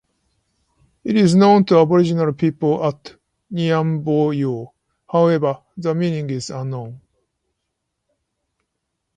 It is known to the Aboriginal People as Niamboyoo, however, the meaning is unknown.